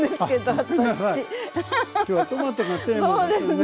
きょうはトマトがテーマですよね。